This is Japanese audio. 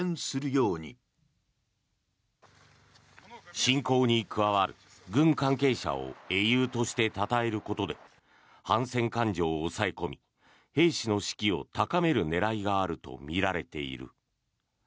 侵攻に加わる軍関係者を英雄としてたたえることで反戦感情を抑え込み兵士の士気を高める狙いがあるとみられている。